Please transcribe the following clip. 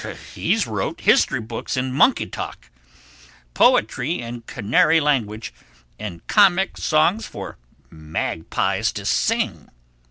He's wrote history books in monkey talk, poetry in canary language and comic songs for magpies to sing.